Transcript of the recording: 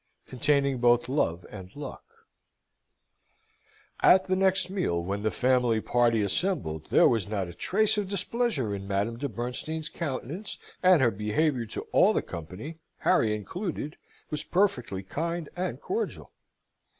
Containing both Love and Luck At the next meal, when the family party assembled, there was not a trace of displeasure in Madame de Bernstein's countenance, and her behaviour to all the company, Harry included, was perfectly kind and cordial.